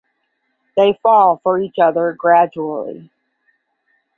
They fall for each other gradually.